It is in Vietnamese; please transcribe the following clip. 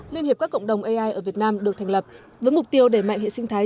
liên hiệp các cộng đồng ai ở việt nam được thành lập với mục tiêu để mạnh hệ sinh thái